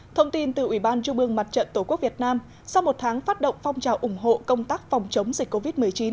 thông tin từ ủy ban trung ương mặt trận tổ quốc việt nam sau một tháng phát động phong trào ủng hộ công tác phòng chống dịch covid một mươi chín